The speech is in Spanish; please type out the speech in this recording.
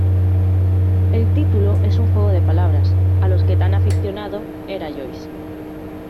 El título es un juego de palabras, a los que tan aficionado era Joyce.